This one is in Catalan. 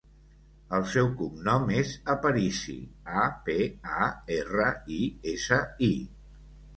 El seu cognom és Aparisi: a, pe, a, erra, i, essa, i.